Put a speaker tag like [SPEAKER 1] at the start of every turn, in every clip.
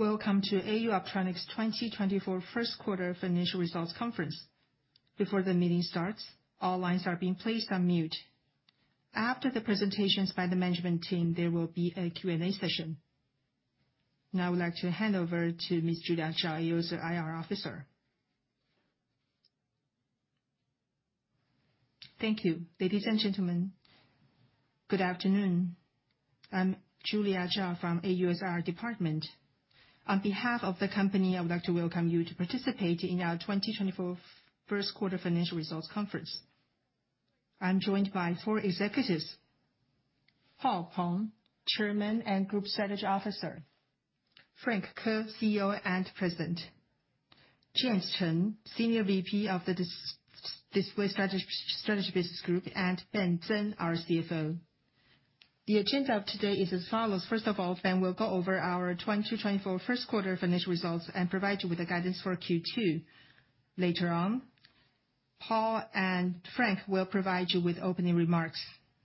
[SPEAKER 1] Welcome to AUO 2024 first quarter financial results conference. Before the meeting starts, all lines are being placed on mute. After the presentations by the management team, there will be a Q&A session. Now I would like to hand over to Ms. Julia Chao, AUO's IR officer.
[SPEAKER 2] Thank you, ladies and gentlemen. Good afternoon. I'm Julia Chao from AUO's IR department. On behalf of the company, I would like to welcome you to participate in our 2024 first quarter financial results conference. I'm joined by four executives: Paul Peng, Chairman and Group Strategy Officer; Frank Ko, CEO and President; Chien-Pin Chen, Senior VP of the Display Strategy Business Group; and Ben Tseng, our CFO. The agenda of today is as follows. First of all, Ben will go over our 2024 first quarter financial results and provide you with guidance for Q2 later on. Paul and Frank will provide you with opening remarks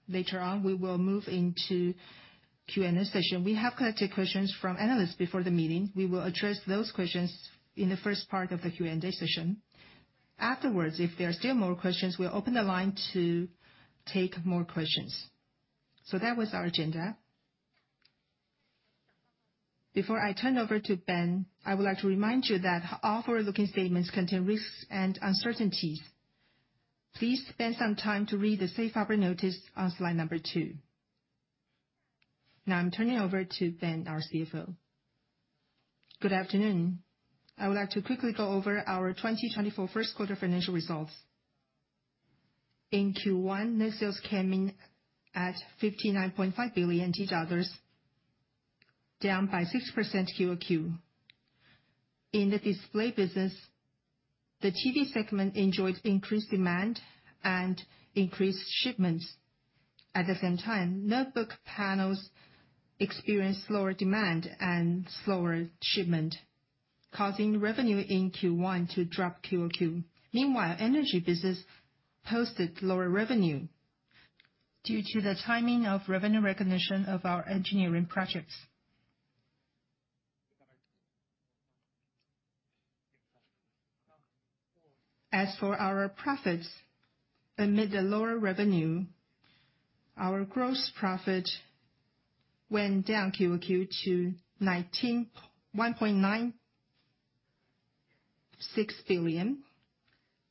[SPEAKER 2] later on. We will move into Q&A session. We have collected questions from analysts before the meeting. We will address those questions in the first part of the Q&A session. Afterwards, if there are still more questions, we'll open the line to take more questions. So that was our agenda. Before I turn over to Ben, I would like to remind you that all forward-looking statements contain risks and uncertainties. Please spend some time to read the safe harbor notice on slide 2. Now I'm turning over to Ben, our CFO.
[SPEAKER 3] Good afternoon. I would like to quickly go over our 2024 first quarter financial results. In Q1, net sales came in at NT$59.5 billion, down by 6% QoQ. In the display business, the TV segment enjoyed increased demand and increased shipments. At the same time, notebook panels experienced slower demand and slower shipment, causing revenue in Q1 to drop Micro LED. Meanwhile, energy business posted lower revenue due to the timing of revenue recognition of our engineering projects. As for our profits, amid the lower revenue, our gross profit went down QoQ to 1.96 billion.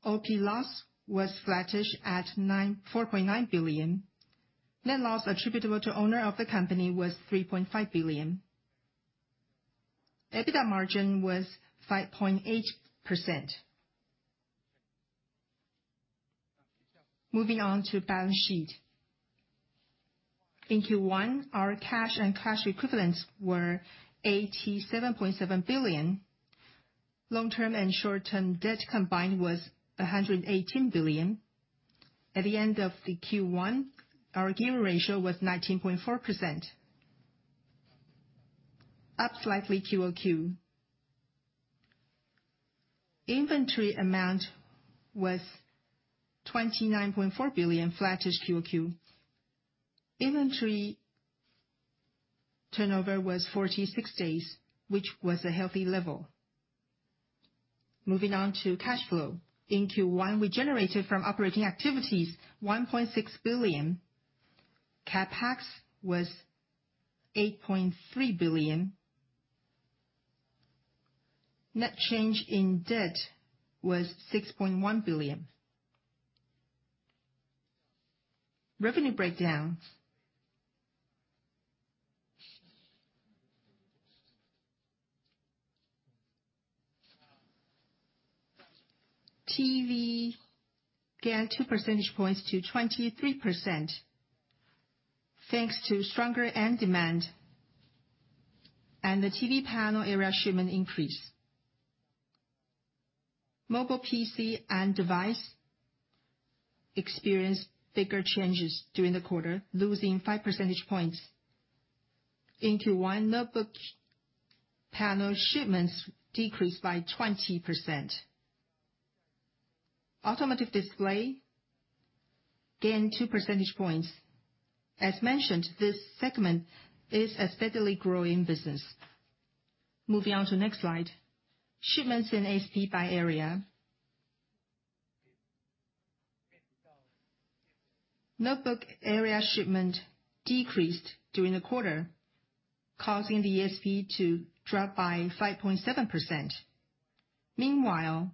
[SPEAKER 3] OP loss was flattish at 4.9 billion. Net loss attributable to owner of the company was 3.5 billion. EBITDA margin was 5.8%. Moving on to balance sheet. In Q1, our cash and cash equivalents were 87.7 billion. Long-term and short-term debt combined was 118 billion. At the end of Q1, our gearing ratio was 19.4%, up slightly QoQ. Inventory amount was TWD 29.4 billion, flattish QoQ. Inventory turnover was 46 days, which was a healthy level. Moving on to cash flow. In Q1, we generated from operating activities 1.6 billion. CapEx was 8.3 billion. Net change in debt was NT$ 6.1 billion. Revenue breakdown. TV gained two percentage points to 23% thanks to stronger end demand and the TV panel area shipment increase. Mobile PC and device experienced bigger changes during the quarter, losing five percentage points. In Q1, notebook panel shipments decreased by 20%. Automotive display gained two percentage points. As mentioned, this segment is a steadily growing business. Moving on to next slide. Shipments in ASP by area. Notebook area shipment decreased during the quarter, causing the ASP to drop by 5.7%. Meanwhile,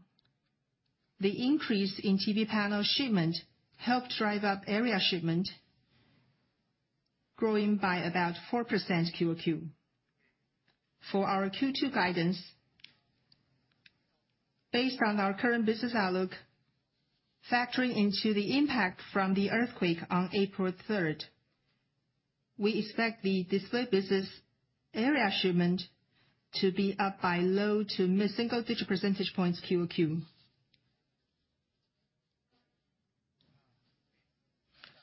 [SPEAKER 3] the increase in TV panel shipment helped drive up area shipment, growing by about 4% QoQ. For our Q2 guidance, based on our current business outlook, factoring into the impact from the earthquake on April 3rd, we expect the display business area shipment to be up by low to mid-single digit percentage points QoQ.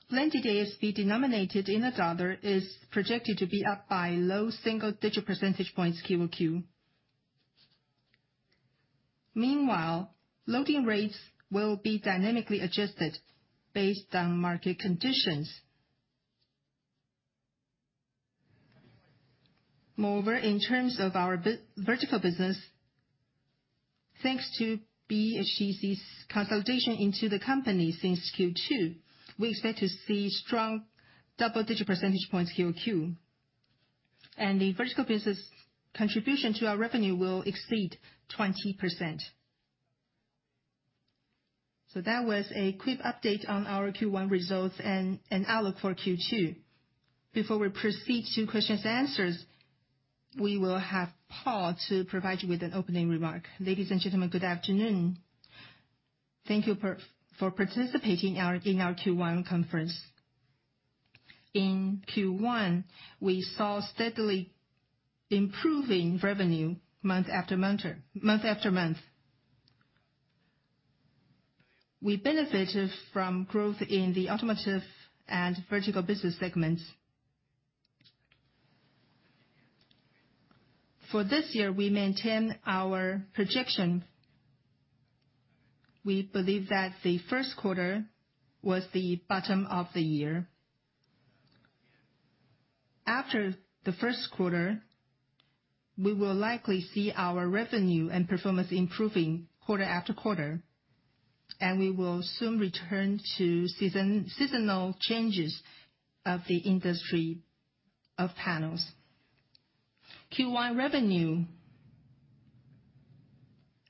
[SPEAKER 3] Shipment of ASP denominated in dollars is projected to be up by low single-digit percentage points QoQ. Meanwhile, loading rates will be dynamically adjusted based on market conditions. Moreover, in terms of our vertical business, thanks to BHTC's consolidation into the company since Q2, we expect to see strong double-digit percentage points QoQ. And the vertical business contribution to our revenue will exceed 20%. So that was a quick update on our Q1 results and outlook for Q2. Before we proceed to questions and answers, we will have Paul to provide you with an opening remark.
[SPEAKER 4] Ladies and gentlemen, good afternoon. Thank you for participating in our Q1 conference. In Q1, we saw steadily improving revenue month after month. We benefited from growth in the automotive and vertical business segments. For this year, we maintain our projection. We believe that the first quarter was the bottom of the year. After the first quarter, we will likely see our revenue and performance improving quarter after quarter. We will soon return to seasonal changes of the industry of panels. Q1 revenue,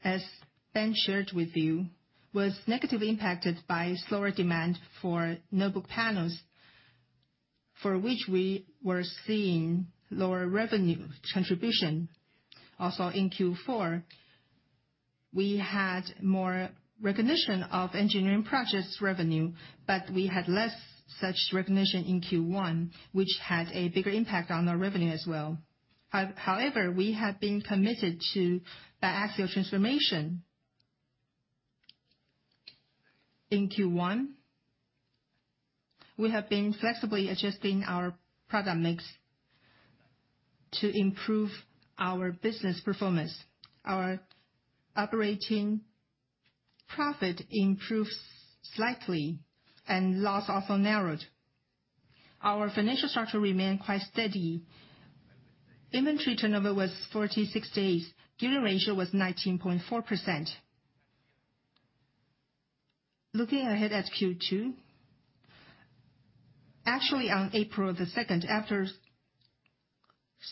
[SPEAKER 4] as Ben shared with you, was negatively impacted by slower demand for notebook panels, for which we were seeing lower revenue contribution. Also in Q4, we had more recognition of engineering projects revenue, but we had less such recognition in Q1, which had a bigger impact on our revenue as well. However, we have been committed to biaxial transformation. In Q1, we have been flexibly adjusting our product mix to improve our business performance. Our operating profit improved slightly, and loss also narrowed. Our financial structure remained quite steady. Inventory turnover was 46 days. Gearing ratio was 19.4%. Looking ahead at Q2. Actually, on April 2nd, after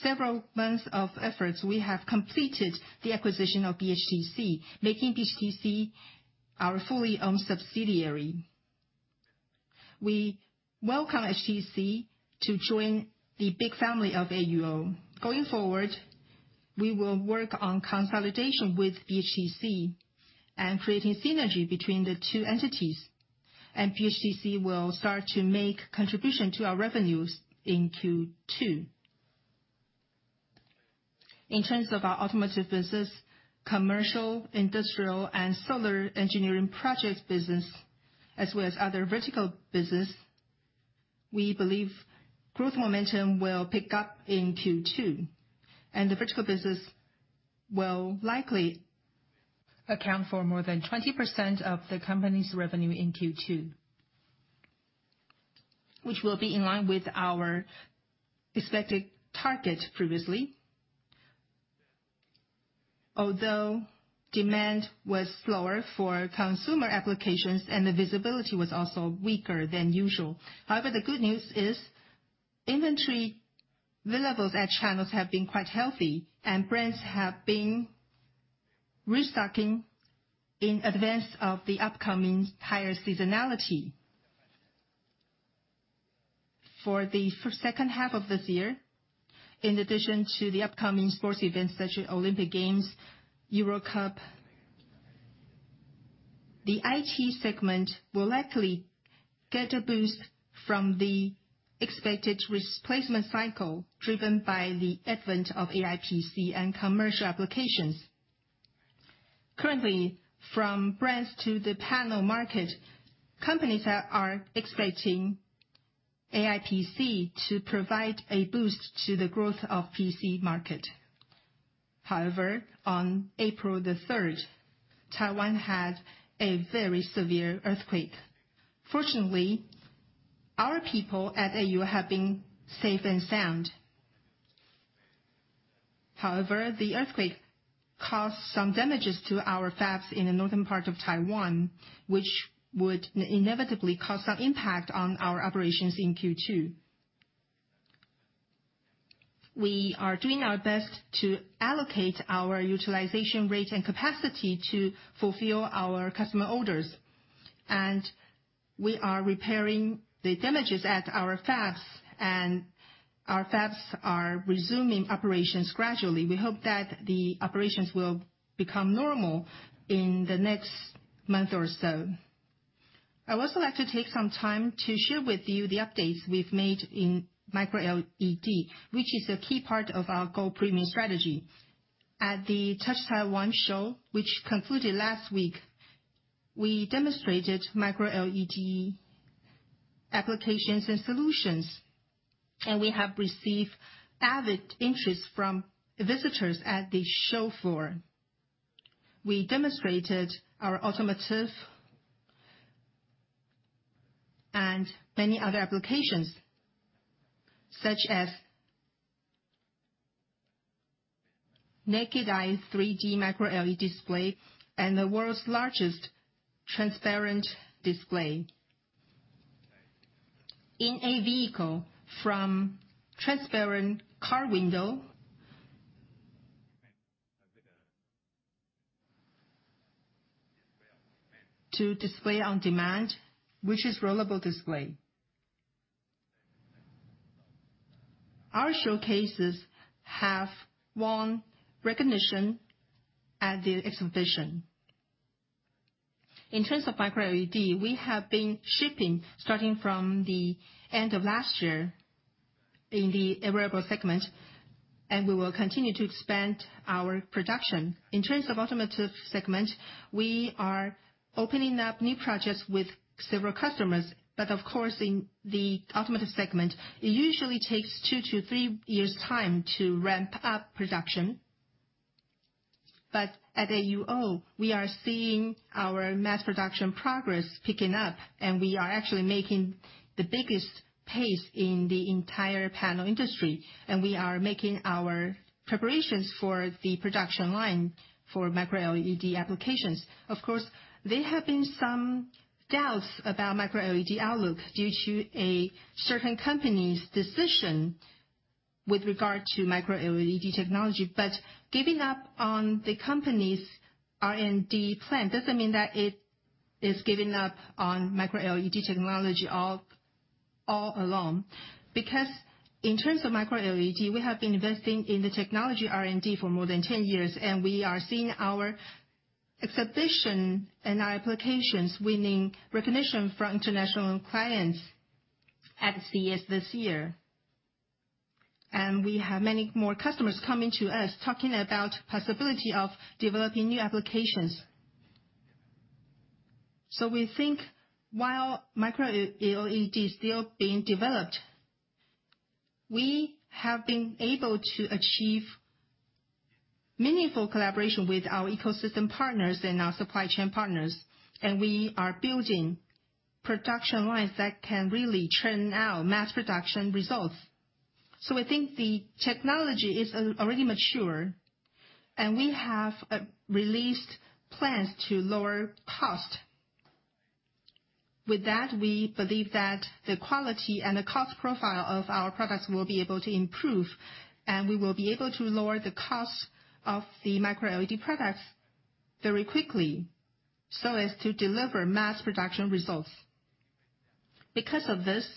[SPEAKER 4] several months of efforts, we have completed the acquisition of BHTC, making BHTC our fully-owned subsidiary. We welcome BHTC to join the big family of AUO. Going forward, we will work on consolidation with BHTC and creating synergy between the two entities. BHTC will start to make contribution to our revenues in Q2. In terms of our automotive business, commercial, industrial, and solar engineering project business, as well as other vertical business, we believe growth momentum will pick up in Q2. The vertical business will likely account for more than 20% of the company's revenue in Q2, which will be in line with our expected target previously. Although demand was slower for consumer applications and the visibility was also weaker than usual. However, the good news is inventory levels at channels have been quite healthy, and brands have been restocking in advance of the upcoming higher seasonality for the second half of this year, in addition to the upcoming sports events such as Olympic Games, Euro Cup. The IT segment will likely get a boost from the expected replacement cycle driven by the advent of AI PC and commercial applications. Currently, from brands to the panel market, companies are expecting AI PC to provide a boost to the growth of PC market. However, on April 3rd, Taiwan had a very severe earthquake. Fortunately, our people at AUO have been safe and sound. However, the earthquake caused some damages to our fabs in the northern part of Taiwan, which would inevitably cause some impact on our operations in Q2. We are doing our best to allocate our utilization rate and capacity to fulfill our customer orders. We are repairing the damages at our fabs, and our fabs are resuming operations gradually. We hope that the operations will become normal in the next month or so. I would also like to take some time to share with you the updates we've made in Micro LED, which is a key part of our Go Premium strategy. At the Touch Taiwan show, which concluded last week, we demonstrated Micro LED applications and solutions, and we have received avid interest from visitors at the show floor. We demonstrated our automotive and many other applications, such as naked-eye 3D Micro LED display and the world's largest transparent display in a vehicle from transparent car window to display on demand, which is rollable display. Our showcases have won recognition at the exhibition. In terms of micro LED, we have been shipping starting from the end of last year in the wearable segment, and we will continue to expand our production. In terms of automotive segment, we are opening up new projects with several customers. But of course, in the automotive segment, it usually takes two to three years' time to ramp up production. But at AUO, we are seeing our mass production progress picking up, and we are actually making the biggest pace in the entire panel industry. And we are making our preparations for the production line for Micro LED applications. Of course, there have been some doubts about Micro LED outlook due to a certain company's decision with regard to Micro LED technology. But giving up on the company's R&D plan doesn't mean that it is giving up on Micro LED technology all alone. Because in terms of Micro LED, we have been investing in the technology R&D for more than 10 years, and we are seeing our exhibition and our applications winning recognition from international clients at CES this year. And we have many more customers coming to us talking about the possibility of developing new applications. So we think while Micro LED is still being developed, we have been able to achieve meaningful collaboration with our ecosystem partners and our supply chain partners. And we are building production lines that can really churn out mass production results. So we think the technology is already mature, and we have released plans to lower cost. With that, we believe that the quality and the cost profile of our products will be able to improve, and we will be able to lower the costs of the Micro LED products very quickly so as to deliver mass production results. Because of this,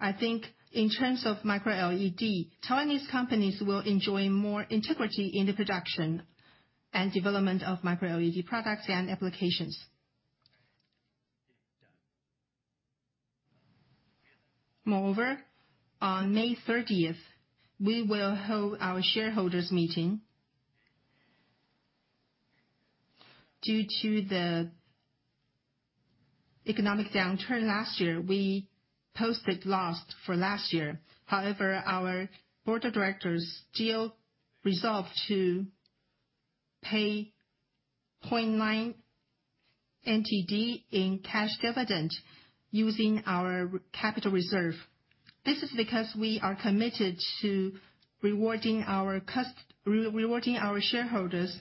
[SPEAKER 4] I think in terms of Micro LED, Chinese companies will enjoy more integration in the production and development of Micro LED products and applications. Moreover, on May 30th, we will hold our shareholders' meeting. Due to the economic downturn last year, we posted loss for last year. However, our board of directors resolved to pay NTD 0.9 in cash dividend using our capital reserve. This is because we are committed to rewarding our shareholders.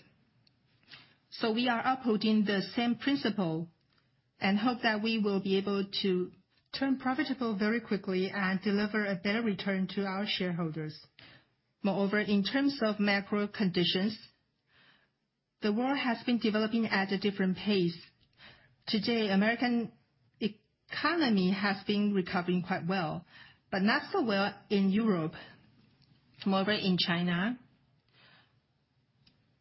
[SPEAKER 4] So we are upholding the same principle and hope that we will be able to turn profitable very quickly and deliver a better return to our shareholders. Moreover, in terms of macro conditions, the world has been developing at a different pace. Today, the American economy has been recovering quite well, but not so well in Europe. Moreover, in China,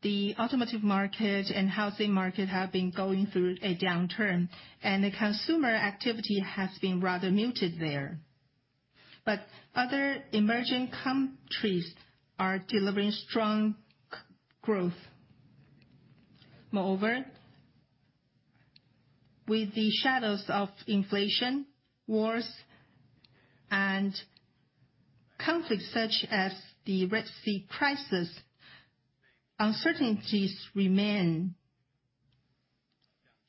[SPEAKER 4] the automotive market and housing market have been going through a downturn, and the consumer activity has been rather muted there. But other emerging countries are delivering strong growth. Moreover, with the shadows of inflation, wars, and conflicts such as the Red Sea crisis, uncertainties remain.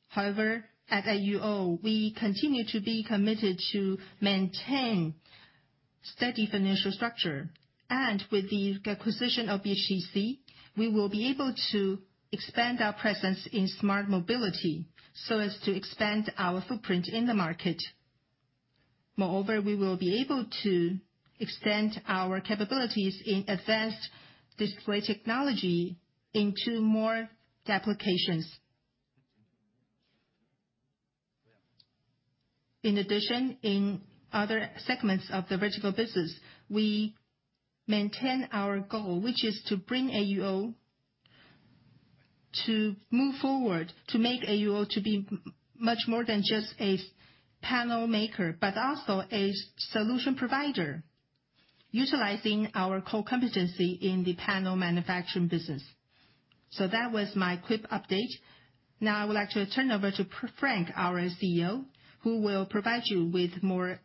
[SPEAKER 4] However, at AUO, we continue to be committed to maintain steady financial structure. And with the acquisition of BHTC, we will be able to expand our presence in smart mobility so as to expand our footprint in the market. Moreover, we will be able to extend our capabilities in advanced display technology into more applications. In addition, in other segments of the vertical business, we maintain our goal, which is to bring AUO to move forward, to make AUO to be much more than just a panel maker, but also a solution provider utilizing our core competency in the panel manufacturing business. So that was my quick update. Now, I would like to turn over to Frank, our CEO, who will provide you with more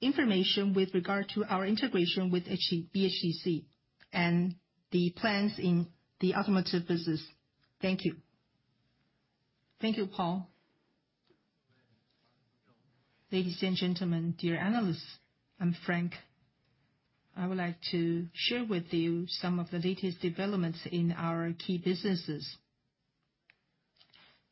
[SPEAKER 4] information with regard to our integration with BHTC and the plans in the automotive business. Thank you.
[SPEAKER 5] Thank you, Paul. Ladies and gentlemen, dear analysts, I'm Frank. I would like to share with you some of the latest developments in our key businesses.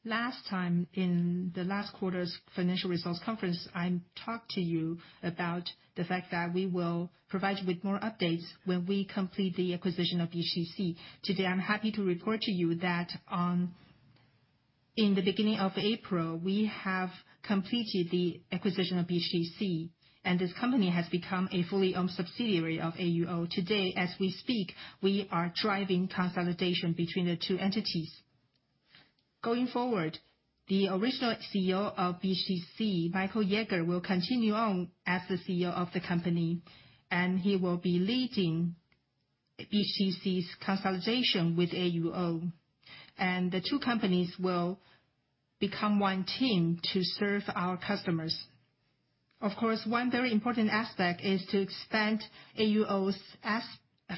[SPEAKER 5] Last time in the last quarter's financial results conference, I talked to you about the fact that we will provide you with more updates when we complete the acquisition of BHTC. Today, I'm happy to report to you that in the beginning of April, we have completed the acquisition of BHTC, and this company has become a fully-owned subsidiary of AUO. Today, as we speak, we are driving consolidation between the two entities. Going forward, the original CEO of BHTC, Michael Jaeger, will continue on as the CEO of the company, and he will be leading BHTC's consolidation with AUO. The two companies will become one team to serve our customers. Of course, one very important aspect is to expand AUO's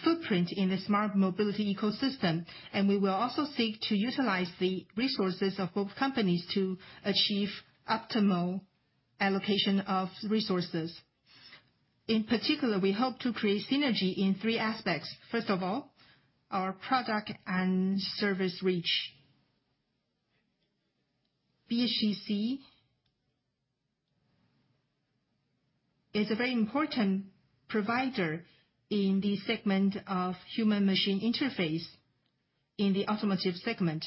[SPEAKER 5] footprint in the smart mobility ecosystem, and we will also seek to utilize the resources of both companies to achieve optimal allocation of resources. In particular, we hope to create synergy in three aspects. First of all, our product and service reach. BHTC is a very important provider in the segment of human-machine interface in the automotive segment.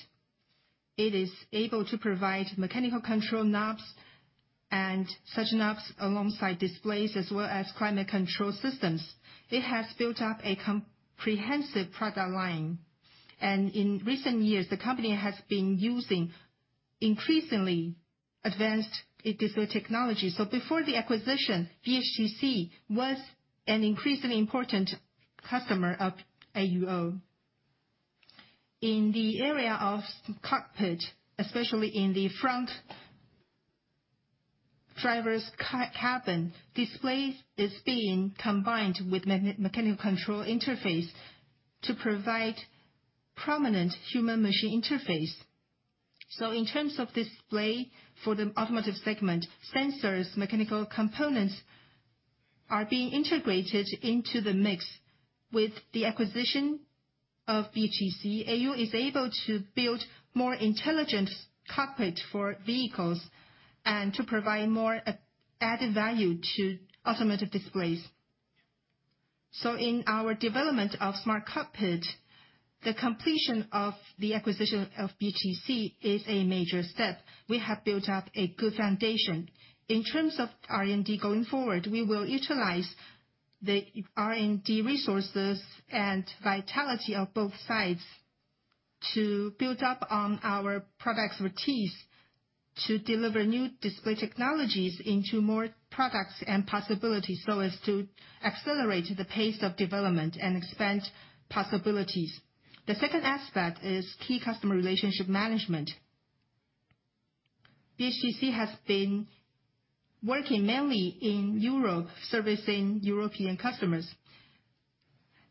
[SPEAKER 5] It is able to provide mechanical control knobs and such knobs alongside displays as well as climate control systems. It has built up a comprehensive product line. In recent years, the company has been using increasingly advanced digital technology. Before the acquisition, BHTC was an increasingly important customer of AUO. In the area of the cockpit, especially in the front driver's cabin, display is being combined with mechanical control interface to provide prominent human-machine interface. In terms of display for the automotive segment, sensors, mechanical components are being integrated into the mix. With the acquisition of BHTC, AUO is able to build more intelligent cockpits for vehicles and to provide more added value to automotive displays. In our development of smart cockpit, the completion of the acquisition of BHTC is a major step. We have built up a good foundation. In terms of R&D going forward, we will utilize the R&D resources and vitality of both sides to build up on our product expertise to deliver new display technologies into more products and possibilities so as to accelerate the pace of development and expand possibilities. The second aspect is key customer relationship management. BHTC has been working mainly in Europe, servicing European customers.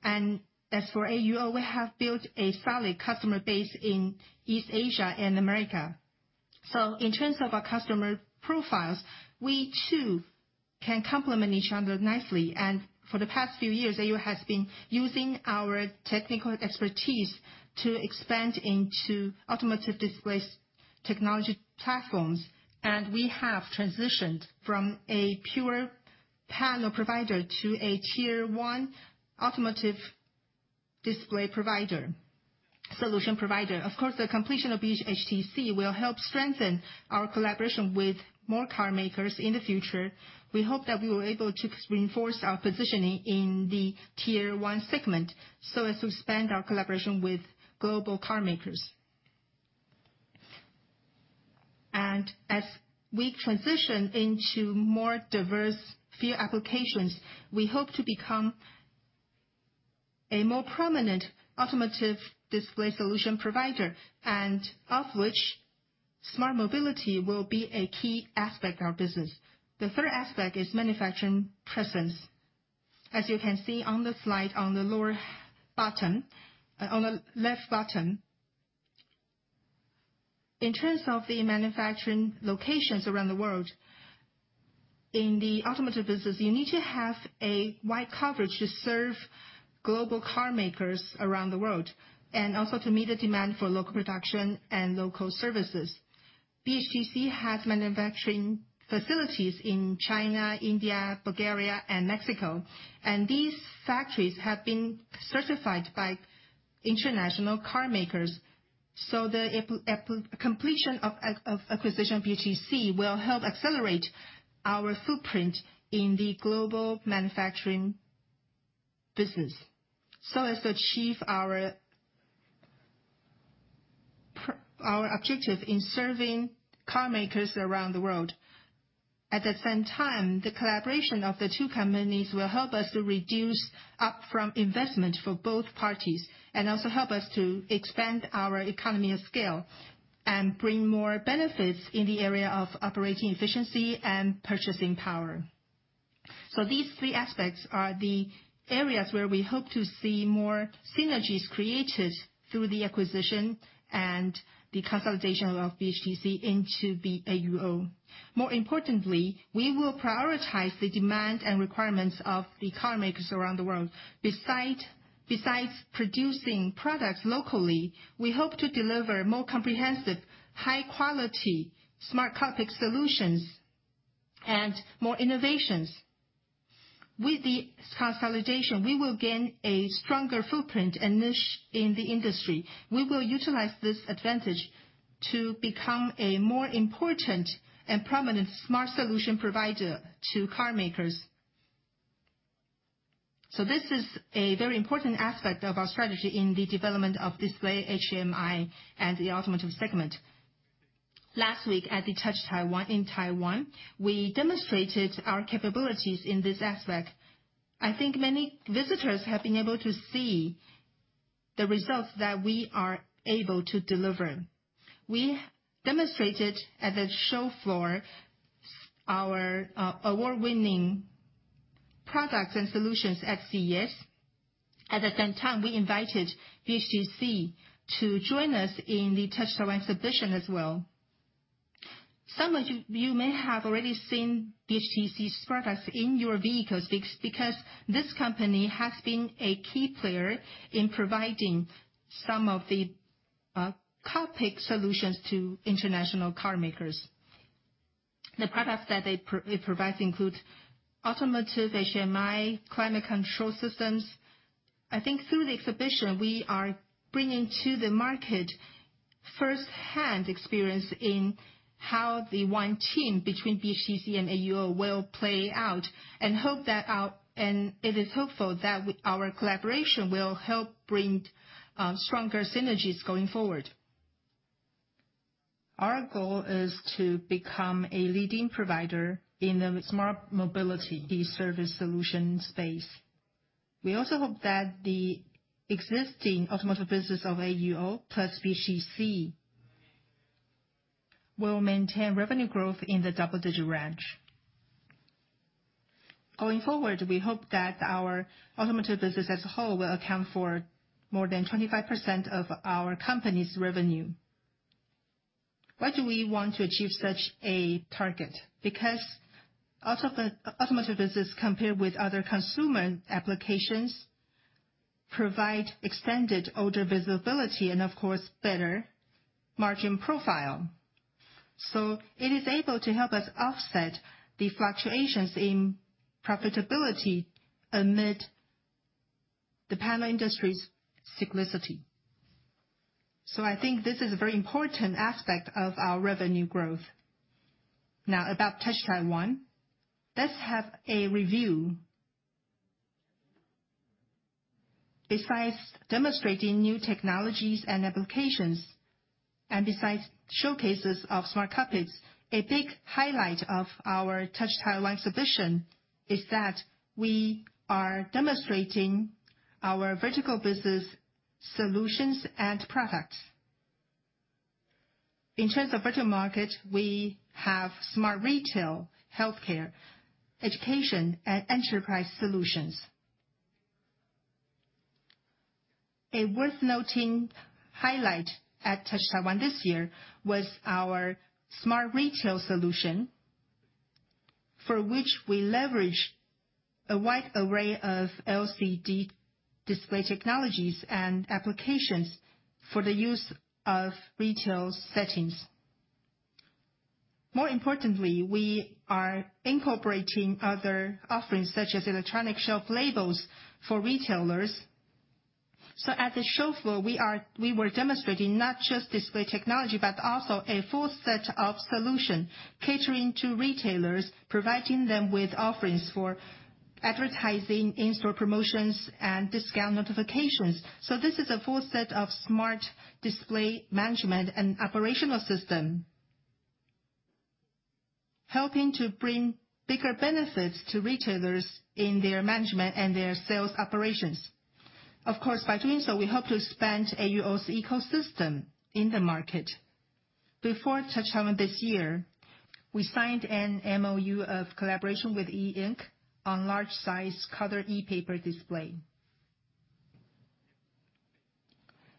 [SPEAKER 5] As for AUO, we have built a solid customer base in East Asia and America. In terms of our customer profiles, we too can complement each other nicely. For the past few years, AUO has been using our technical expertise to expand into automotive display technology platforms. We have transitioned from a pure panel provider to a tier one automotive display solution provider. Of course, the completion of BHTC will help strengthen our collaboration with more car makers in the future. We hope that we will be able to reinforce our positioning in the tier one segment so as to expand our collaboration with global car makers. As we transition into more diverse field applications, we hope to become a more prominent automotive display solution provider, and of which smart mobility will be a key aspect of our business. The third aspect is manufacturing presence. As you can see on the slide on the lower bottom, on the left bottom, in terms of the manufacturing locations around the world, in the automotive business, you need to have a wide coverage to serve global car makers around the world and also to meet the demand for local production and local services. BHTC has manufacturing facilities in China, India, Bulgaria, and Mexico. And these factories have been certified by international car makers. So the completion of acquisition of BHTC will help accelerate our footprint in the global manufacturing business so as to achieve our objective in serving car makers around the world. At the same time, the collaboration of the two companies will help us to reduce upfront investment for both parties and also help us to expand our economy of scale and bring more benefits in the area of operating efficiency and purchasing power. So these three aspects are the areas where we hope to see more synergies created through the acquisition and the consolidation of BHTC into the AUO. More importantly, we will prioritize the demand and requirements of the car makers around the world. Besides producing products locally, we hope to deliver more comprehensive, high-quality smart cockpit solutions and more innovations. With the consolidation, we will gain a stronger footprint and niche in the industry. We will utilize this advantage to become a more important and prominent smart solution provider to car makers. So this is a very important aspect of our strategy in the development of display HMI and the automotive segment. Last week, at the Touch Taiwan in Taiwan, we demonstrated our capabilities in this aspect. I think many visitors have been able to see the results that we are able to deliver. We demonstrated at the show floor our award-winning products and solutions at CES. At the same time, we invited BHTC to join us in the Touch Taiwan exhibition as well. Some of you may have already seen BHTC's products in your vehicles because this company has been a key player in providing some of the cockpit solutions to international car makers. The products that it provides include automotive HMI, climate control systems. I think through the exhibition, we are bringing to the market firsthand experience in how the one team between BHTC and AUO will play out and it is hopeful that our collaboration will help bring stronger synergies going forward. Our goal is to become a leading provider in the smart mobility e-service solution space. We also hope that the existing automotive business of AUO plus BHTC will maintain revenue growth in the double-digit range. Going forward, we hope that our automotive business as a whole will account for more than 25% of our company's revenue. Why do we want to achieve such a target? Because automotive business, compared with other consumer applications, provides extended order visibility and, of course, better margin profile. So it is able to help us offset the fluctuations in profitability amid the panel industry's cyclicity. So I think this is a very important aspect of our revenue growth. Now, about Touch Taiwan, let's have a review. Besides demonstrating new technologies and applications and besides showcases of smart cockpits, a big highlight of our Touch Taiwan exhibition is that we are demonstrating our vertical business solutions and products. In terms of vertical market, we have smart retail, healthcare, education, and enterprise solutions. A worth-noting highlight at Touch Taiwan this year was our smart retail solution for which we leverage a wide array of LCD display technologies and applications for the use of retail settings. More importantly, we are incorporating other offerings such as electronic shelf labels for retailers. So at the show floor, we were demonstrating not just display technology but also a full set of solutions catering to retailers, providing them with offerings for advertising, in-store promotions, and discount notifications. So this is a full set of smart display management and operational systems helping to bring bigger benefits to retailers in their management and their sales operations. Of course, by doing so, we hope to expand AUO's ecosystem in the market. Before Touch Taiwan this year, we signed an MOU of collaboration with E Ink on large-size colored e-paper display.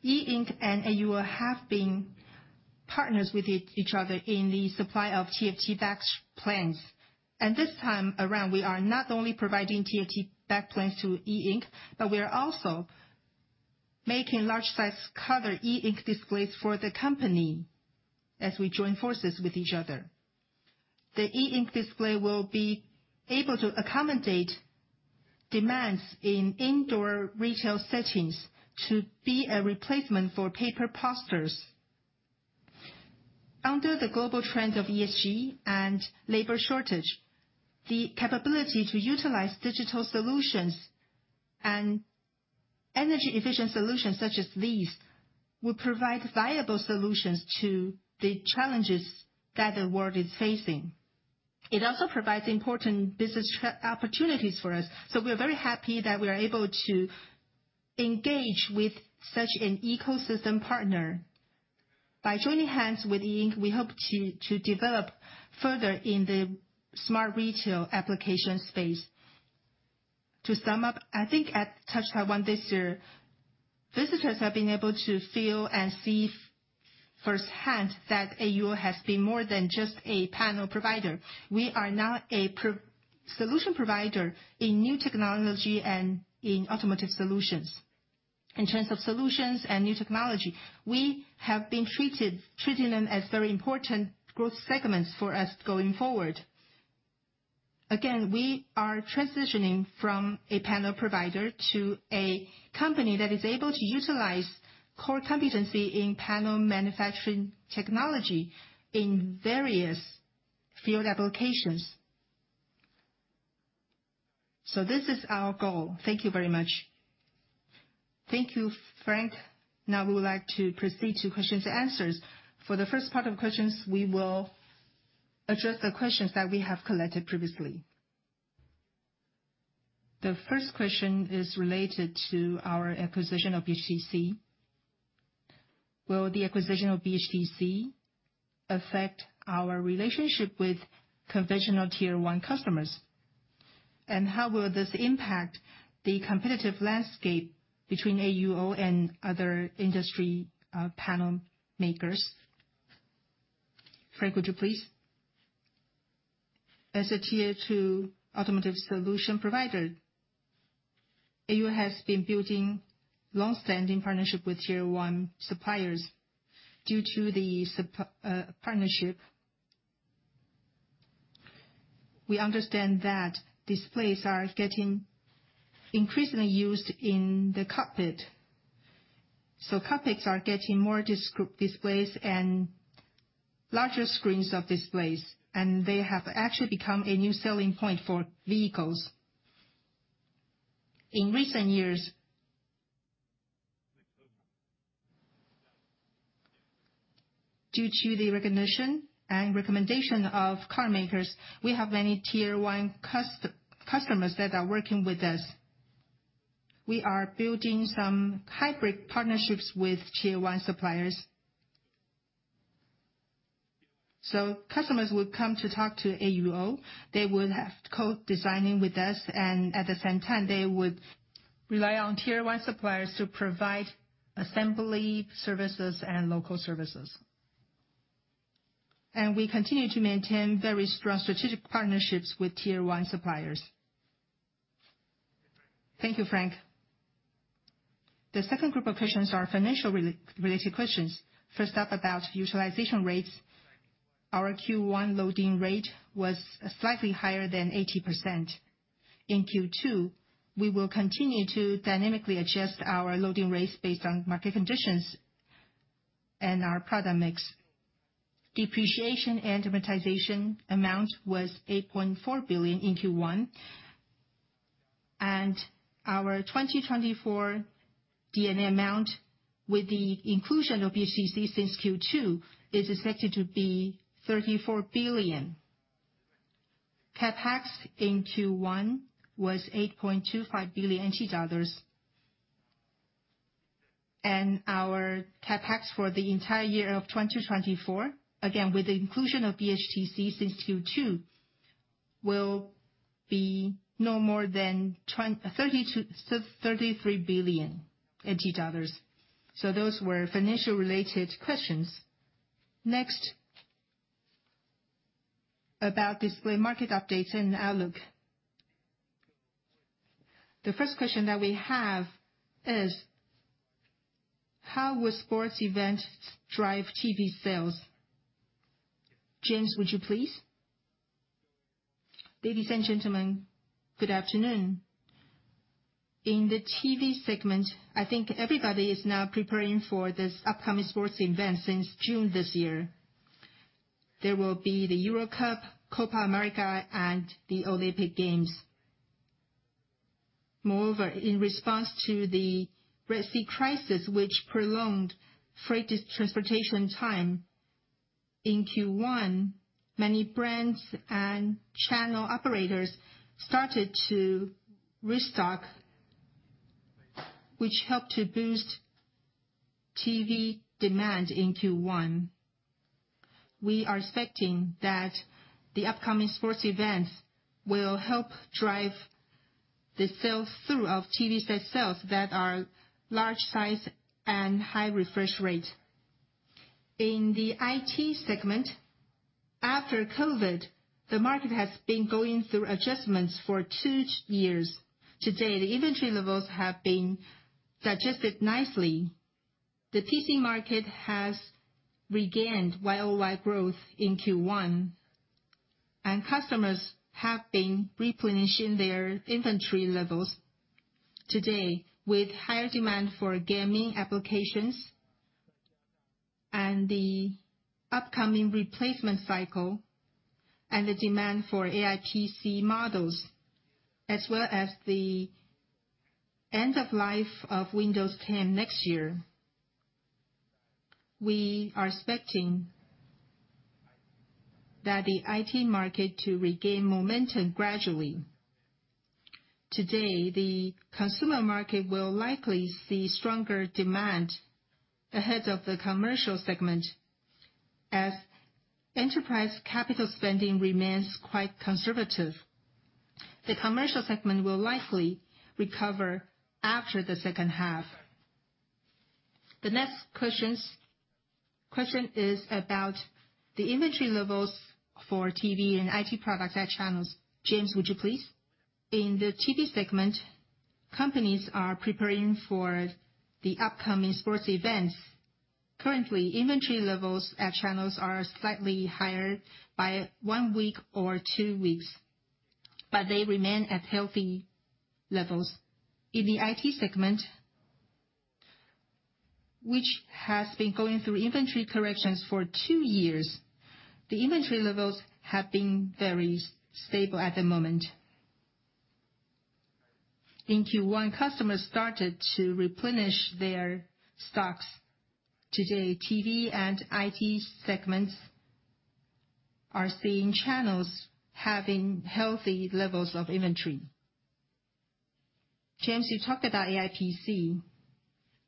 [SPEAKER 5] E Ink and AUO have been partners with each other in the supply of TFT backplates. And this time around, we are not only providing TFT backplates to E Ink, but we are also making large-size colored E Ink displays for the company as we join forces with each other. The E Ink display will be able to accommodate demands in indoor retail settings to be a replacement for paper posters. Under the global trend of ESG and labor shortage, the capability to utilize digital solutions and energy-efficient solutions such as these will provide viable solutions to the challenges that the world is facing. It also provides important business opportunities for us. So we are very happy that we are able to engage with such an ecosystem partner. By joining hands with E Ink, we hope to develop further in the smart retail application space. To sum up, I think at Touch Taiwan this year, visitors have been able to feel and see firsthand that AUO has been more than just a panel provider. We are now a solution provider in new technology and in automotive solutions. In terms of solutions and new technology, we have been treating them as very important growth segments for us going forward. Again, we are transitioning from a panel provider to a company that is able to utilize core competency in panel manufacturing technology in various field applications. So this is our goal. Thank you very much.
[SPEAKER 1] Thank you, Frank. Now, we would like to proceed to questions and answers. For the first part of questions, we will address the questions that we have collected previously. The first question is related to our acquisition of BHTC. Will the acquisition of BHTC affect our relationship with conventional Tier 1 customers? And how will this impact the competitive landscape between AUO and other industry panel makers? Frank, would you please?
[SPEAKER 5] As a Tier 2 automotive solution provider, AUO has been building longstanding partnerships with Tier 1 suppliers. Due to the partnership, we understand that displays are getting increasingly used in the cockpit. Cockpits are getting more displays and larger screens of displays, and they have actually become a new selling point for vehicles. In recent years, due to the recognition and recommendation of car makers, we have many Tier 1 customers that are working with us. We are building some hybrid partnerships with Tier 1 suppliers. Customers would come to talk to AUO. They would have co-designing with us. And at the same time, they would rely on Tier 1 suppliers to provide assembly services and local services. And we continue to maintain very strong strategic partnerships with Tier 1 suppliers.
[SPEAKER 1] Thank you, Frank. The second group of questions are financial-related questions. First up, about utilization rates. Our Q1 loading rate was slightly higher than 80%. In Q2, we will continue to dynamically adjust our loading rates based on market conditions and our product mix. Depreciation and amortization amount was NT$ 8.4 billion in Q1. Our 2024 D&A amount with the inclusion of BHTC since Q2 is expected to be NT$ 34 billion. CapEx in Q1 was NT$ 8.25 billion. Our CapEx for the entire year of 2024, again, with the inclusion of BHTC since Q2, will be no more than NT$ 33 billion. Those were financial-related questions. Next, about display market updates and outlook. The first question that we have is, how would sports events drive TV sales? James, would you please?
[SPEAKER 6] Ladies and gentlemen, good afternoon. In the TV segment, I think everybody is now preparing for this upcoming sports event since June this year. There will be the Euro Cup, Copa America, and the Olympic Games. Moreover, in response to the Red Sea crisis, which prolonged freight transportation time in Q1, many brands and channel operators started to restock, which helped to boost TV demand in Q1. We are expecting that the upcoming sports events will help drive the sales through of TV set sales that are large-size and high refresh rate. In the IT segment, after COVID, the market has been going through adjustments for two years. Today, the inventory levels have been digested nicely. The PC market has regained YOY growth in Q1, and customers have been replenishing their inventory levels. Today, with higher demand for gaming applications and the upcoming replacement cycle and the demand for AI PC models as well as the end of life of Windows 10 next year, we are expecting the IT market to regain momentum gradually. Today, the consumer market will likely see stronger demand ahead of the commercial segment as enterprise capital spending remains quite conservative. The commercial segment will likely recover after the second half.
[SPEAKER 1] The next question is about the inventory levels for TV and IT products at channels. James, would you please? In the TV segment, companies are preparing for the upcoming sports events. Currently, inventory levels at channels are slightly higher by one week or two weeks, but they remain at healthy levels. In the IT segment, which has been going through inventory corrections for two years, the inventory levels have been very stable at the moment. In Q1, customers started to replenish their stocks. Today, TV and IT segments are seeing channels having healthy levels of inventory. James, you talked about AI PC.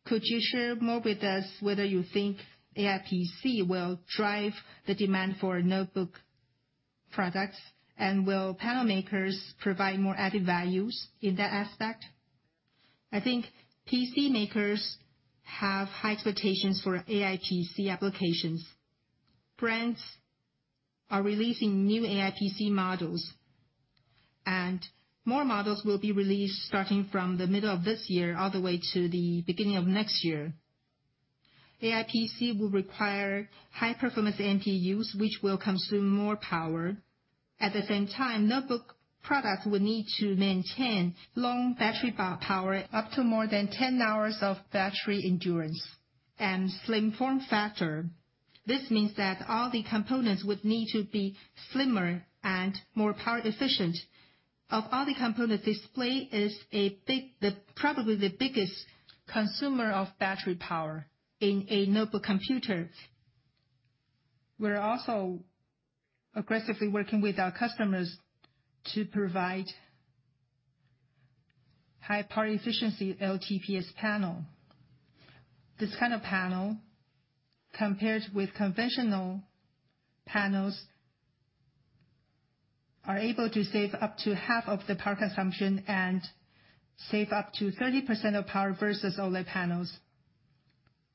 [SPEAKER 1] Could you share more with us whether you think AI PC will drive the demand for notebook products and will panel makers provide more added values in that aspect?
[SPEAKER 6] I think PC makers have high expectations for AI PC applications. Brands are releasing new AI PC models, and more models will be released starting from the middle of this year all the way to the beginning of next year. AI PC will require high-performance NPUs, which will consume more power. At the same time, notebook products would need to maintain long battery power up to more than 10 hours of battery endurance and slim form factor. This means that all the components would need to be slimmer and more power efficient. Of all the components, display is probably the biggest consumer of battery power in a notebook computer. We're also aggressively working with our customers to provide high-power efficiency LTPS panel. This kind of panel, compared with conventional panels, is able to save up to half of the power consumption and save up to 30% of power versus OLED panels.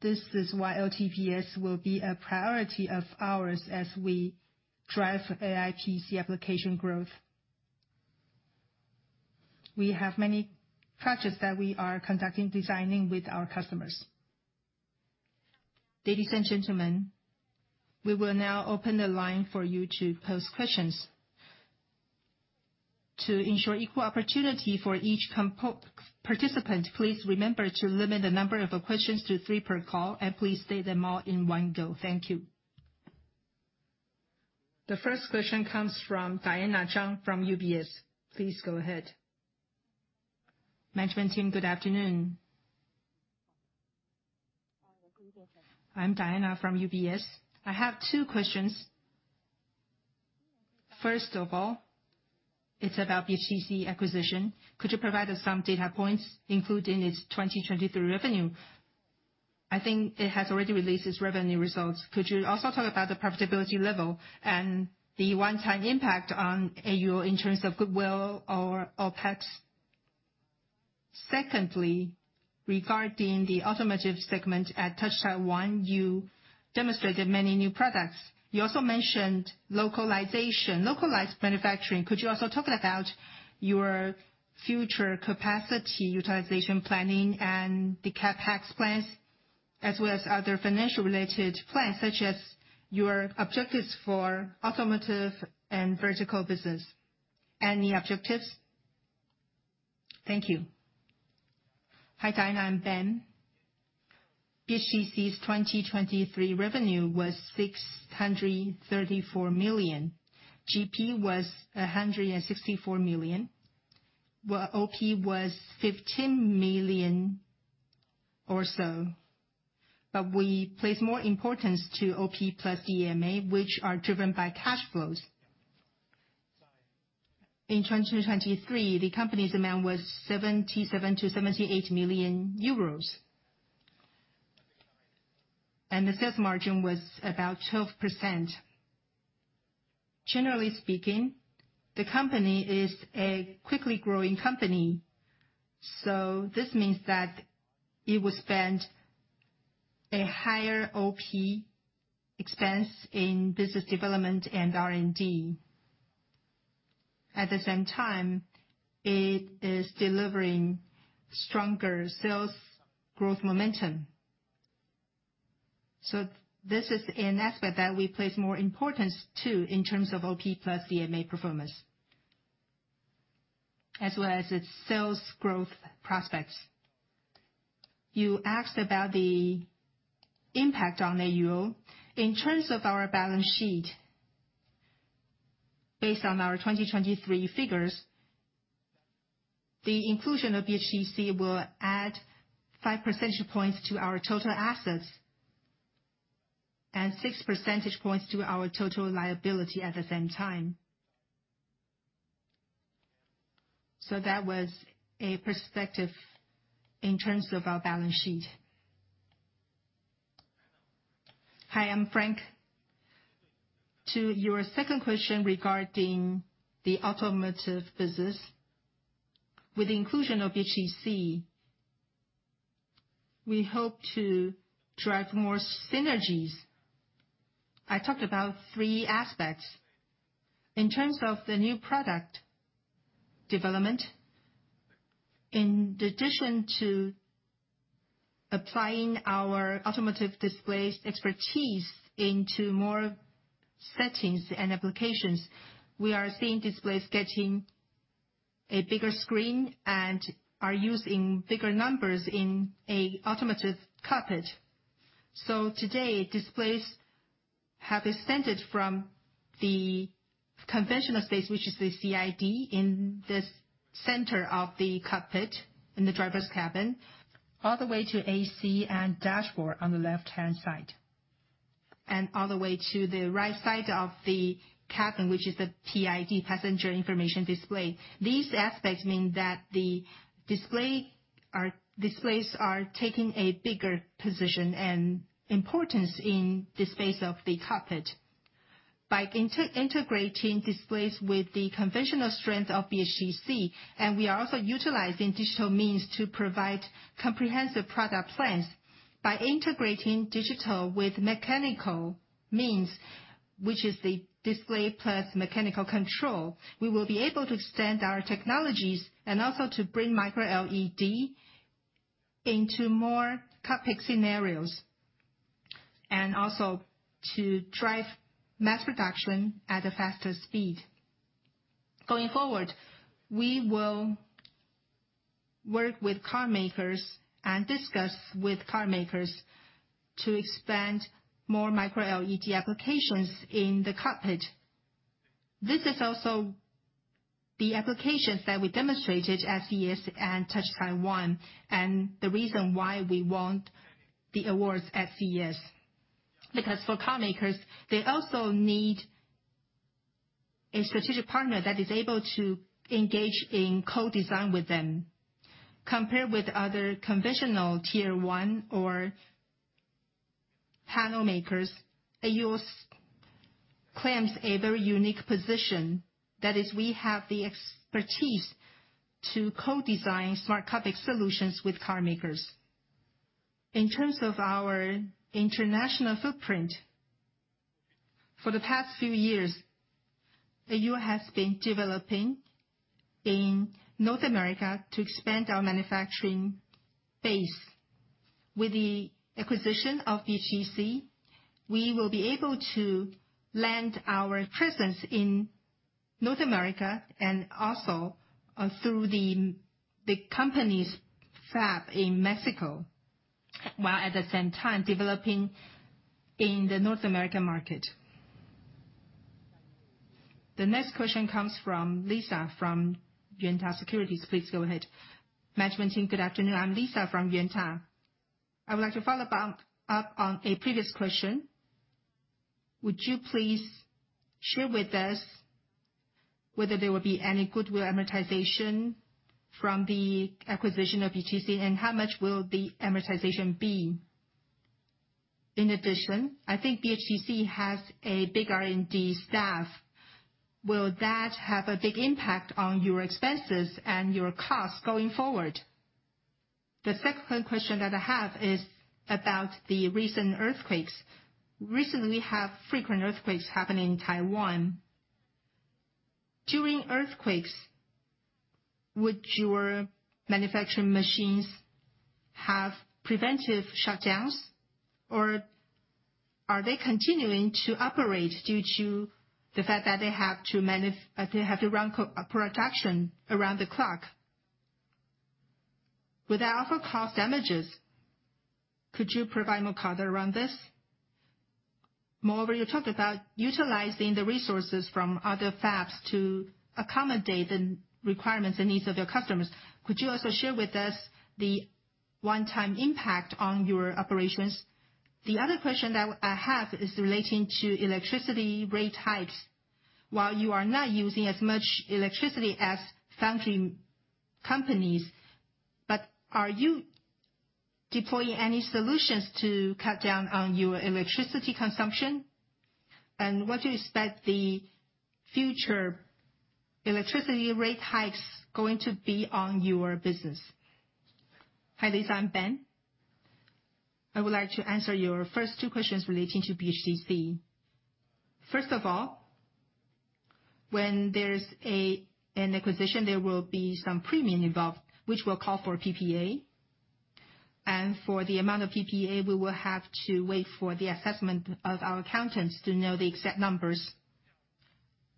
[SPEAKER 6] This is why LTPS will be a priority of ours as we drive AI PC application growth. We have many projects that we are conducting designing with our customers.
[SPEAKER 1] Ladies and gentlemen, we will now open the line for you to pose questions. To ensure equal opportunity for each participant, please remember to limit the number of questions to three per call, and please state them all in one go. Thank you. The first question comes from Diana Zhang from UBS. Please go ahead. Management team, good afternoon. I'm Diana from UBS. I have two questions. First of all, it's about BHTC acquisition.
[SPEAKER 7] Could you provide us some data points including its 2023 revenue? I think it has already released its revenue results. Could you also talk about the profitability level and the one-time impact on AUO in terms of goodwill or OPEX? Secondly, regarding the automotive segment at Touch Taiwan, you demonstrated many new products. You also mentioned localization, localized manufacturing. Could you also talk about your future capacity utilization planning and the CapEx plans as well as other financial-related plans such as your objectives for automotive and vertical business? Any objectives?
[SPEAKER 3] Thank you. Hi, Diana. I'm Ben. BHTC's 2023 revenue was 634 million. GP was 164 million. OP was 15 million or so. But we place more importance to OP plus D&A, which are driven by cash flows. In 2023, the company's amount was 77 million-78 million euros, and the sales margin was about 12%. Generally speaking, the company is a quickly growing company, so this means that it will spend a higher OPEX in business development and R&D. At the same time, it is delivering stronger sales growth momentum. So this is an aspect that we place more importance to in terms of OP plus D&A performance as well as its sales growth prospects. You asked about the impact on AUO. In terms of our balance sheet, based on our 2023 figures, the inclusion of BHTC will add 5 percentage points to our total assets and 6 percentage points to our total liability at the same time. So that was a perspective in terms of our balance sheet.
[SPEAKER 5] Hi, I'm Frank. To your second question regarding the automotive business, with the inclusion of BHTC, we hope to drive more synergies. I talked about three aspects. In terms of the new product development, in addition to applying our automotive displays' expertise into more settings and applications, we are seeing displays getting a bigger screen and are using bigger numbers in an automotive cockpit. So today, displays have extended from the conventional space, which is the CID in the center of the cockpit in the driver's cabin, all the way to AC and dashboard on the left-hand side, and all the way to the right side of the cabin, which is the PID, passenger information display. These aspects mean that displays are taking a bigger position and importance in the space of the cockpit by integrating displays with the conventional strength of BHTC. And we are also utilizing digital means to provide comprehensive product plans. By integrating digital with mechanical means, which is the display plus mechanical control, we will be able to extend our technologies and also to bring Micro LED into more cockpit scenarios and also to drive mass production at a faster speed. Going forward, we will work with car makers and discuss with car makers to expand more Micro LED applications in the cockpit. This is also the applications that we demonstrated at CES and Touch Taiwan and the reason why we want the awards at CES, because for car makers, they also need a strategic partner that is able to engage in co-design with them. Compared with other conventional Tier 1 or panel makers, AUO claims a very unique position. That is, we have the expertise to co-design smart cockpit solutions with car makers. In terms of our international footprint, for the past few years, AUO has been developing in North America to expand our manufacturing base. With the acquisition of BHTC, we will be able to land our presence in North America and also through the company's fab in Mexico while at the same time developing in the North American market.
[SPEAKER 1] The next question comes from Lisa from Yuanta Securities. Please go ahead.
[SPEAKER 8] Management team, good afternoon. I'm Lisa from Yuanta. I would like to follow up on a previous question. Would you please share with us whether there will be any goodwill amortization from the acquisition of BHTC, and how much will the amortization be? In addition, I think BHTC has a big R&D staff. Will that have a big impact on your expenses and your costs going forward? The second question that I have is about the recent earthquakes. Recently, we have frequent earthquakes happening in Taiwan. During earthquakes, would your manufacturing machines have preventive shutdowns, or are they continuing to operate due to the fact that they have to run production around the clock? Will that also cause damages? Could you provide more cover around this? Moreover, you talked about utilizing the resources from other fabs to accommodate the requirements and needs of your customers. Could you also share with us the one-time impact on your operations? The other question that I have is relating to electricity rate hikes. While you are not using as much electricity as foundry companies, are you deploying any solutions to cut down on your electricity consumption? And what do you expect the future electricity rate hikes going to be on your business?
[SPEAKER 3] Hi, Lisa. I'm Ben. I would like to answer your first two questions relating to BHTC. First of all, when there's an acquisition, there will be some premium involved, which will call for PPA. And for the amount of PPA, we will have to wait for the assessment of our accountants to know the exact numbers.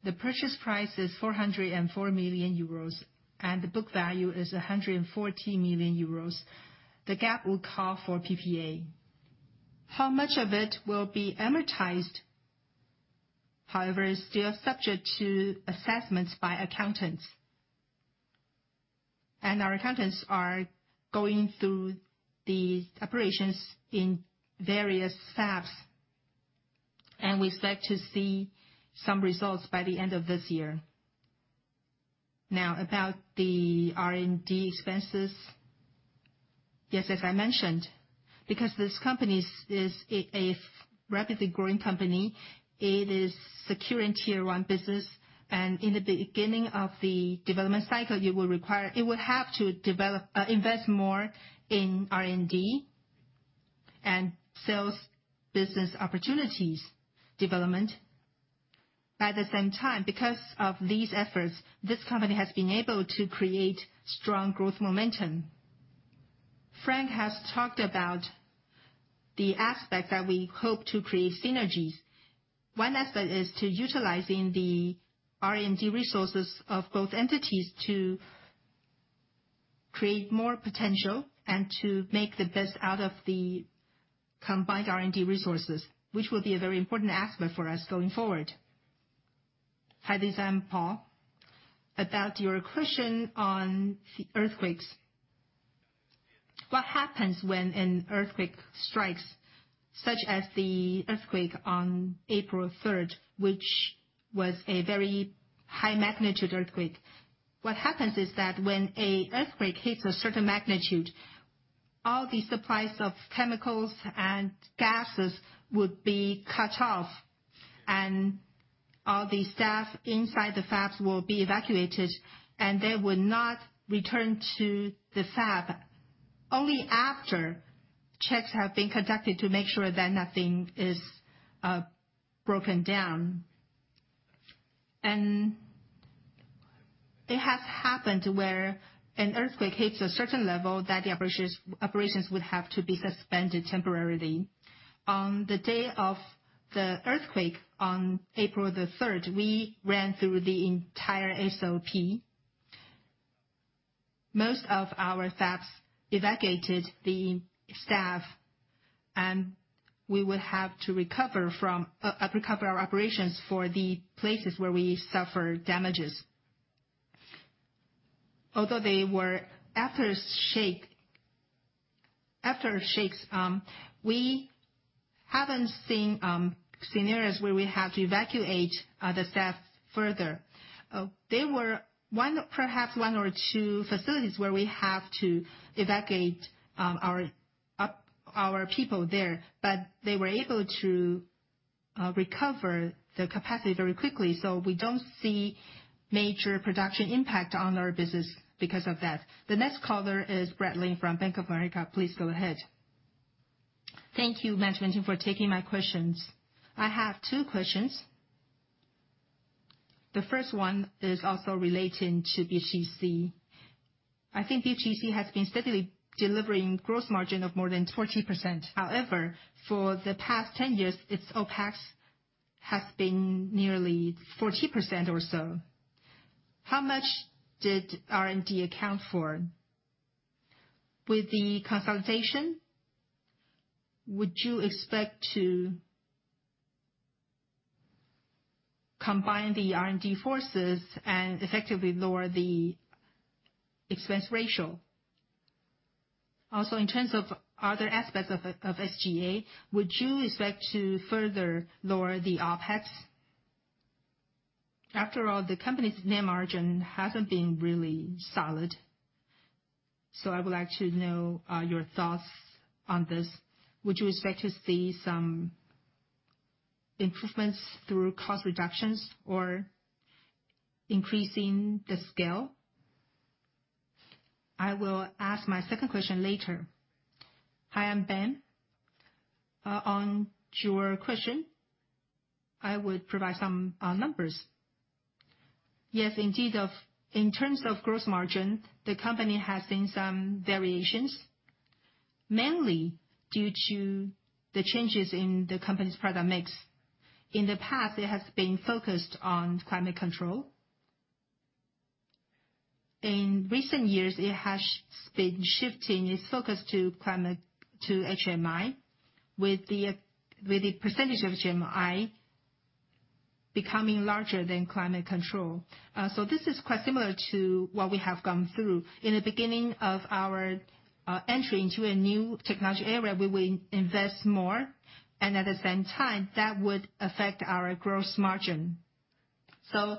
[SPEAKER 3] The purchase price is 404 million euros, and the book value is 140 million euros. The gap will call for PPA. How much of it will be amortized? However, it's still subject to assessments by accountants. And our accountants are going through the operations in various fabs, and we expect to see some results by the end of this year. Now, about the R&D expenses. Yes, as I mentioned, because this company is a rapidly growing company, it is securing Tier 1 business. And in the beginning of the development cycle, it will have to invest more in R&D and sales business opportunities development. At the same time, because of these efforts, this company has been able to create strong growth momentum. Frank has talked about the aspect that we hope to create synergies. One aspect is utilizing the R&D resources of both entities to create more potential and to make the best out of the combined R&D resources, which will be a very important aspect for us going forward.
[SPEAKER 4] Hi, Lisa. I'm Paul. About your question on earthquakes. What happens when an earthquake strikes, such as the earthquake on April 3rd, which was a very high-magnitude earthquake? What happens is that when an earthquake hits a certain magnitude, all the supplies of chemicals and gases would be cut off, and all the staff inside the fabs will be evacuated, and they would not return to the fab only after checks have been conducted to make sure that nothing is broken down. It has happened where an earthquake hits a certain level that the operations would have to be suspended temporarily. On the day of the earthquake on April 3rd, we ran through the entire SOP. Most of our fabs evacuated the staff, and we would have to recover our operations for the places where we suffered damages. Although they were aftershocks, we haven't seen scenarios where we had to evacuate the staff further. There were perhaps one or two facilities where we have to evacuate our people there, but they were able to recover the capacity very quickly. So we don't see major production impact on our business because of that.
[SPEAKER 1] The next caller is Brad Lin from Bank of America. Please go ahead.
[SPEAKER 9] Thank you, management team, for taking my questions. I have two questions. The first one is also relating to BHTC. I think BHTC has been steadily delivering a gross margin of more than 40%. However, for the past 10 years, its OPEX has been nearly 40% or so. How much did R&D account for? With the consolidation, would you expect to combine the R&D forces and effectively lower the expense ratio? Also, in terms of other aspects of SG&A, would you expect to further lower the OPEX? After all, the company's net margin hasn't been really solid. So I would like to know your thoughts on this. Would you expect to see some improvements through cost reductions or increasing the scale? I will ask my second question later.
[SPEAKER 3] Hi, I'm Ben. On your question, I would provide some numbers. Yes, indeed. In terms of gross margin, the company has seen some variations, mainly due to the changes in the company's product mix. In the past, it has been focused on climate control. In recent years, it has been shifting its focus to HMI, with the percentage of HMI becoming larger than climate control. So this is quite similar to what we have gone through. In the beginning of our entry into a new technology area, we will invest more, and at the same time, that would affect our gross margin. So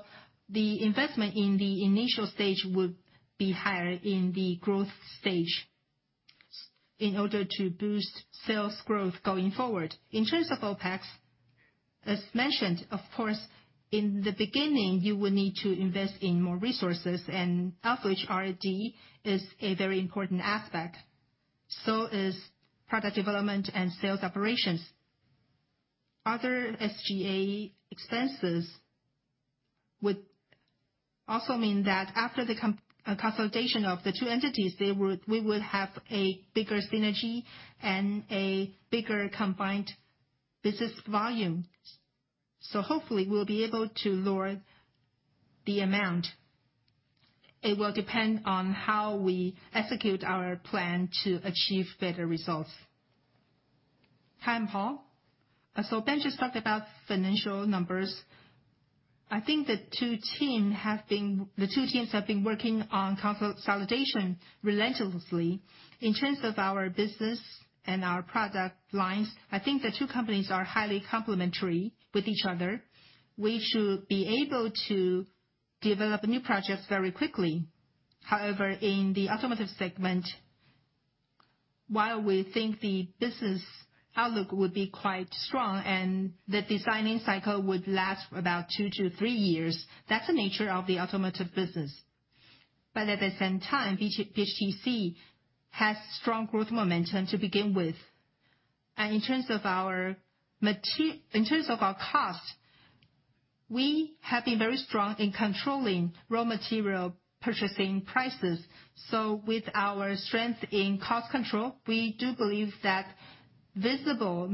[SPEAKER 3] the investment in the initial stage would be higher in the growth stage in order to boost sales growth going forward. In terms of OPEX, as mentioned, of course, in the beginning, you will need to invest in more resources, and outreach R&D is a very important aspect. So is product development and sales operations. Other SG&A expenses would also mean that after the consolidation of the two entities, we would have a bigger synergy and a bigger combined business volume. So hopefully, we'll be able to lower the amount. It will depend on how we execute our plan to achieve better results.
[SPEAKER 4] Hi, I'm Paul. So Ben just talked about financial numbers. I think the two teams have been working on consolidation relentlessly. In terms of our business and our product lines, I think the two companies are highly complementary with each other. We should be able to develop new projects very quickly. However, in the automotive segment, while we think the business outlook would be quite strong and the designing cycle would last about two to three years, that's the nature of the automotive business. But at the same time, BHTC has strong growth momentum to begin with. And in terms of our cost, we have been very strong in controlling raw material purchasing prices. So with our strength in cost control, we do believe that visible